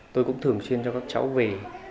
tôi cũng thường xuyên cho các cháu về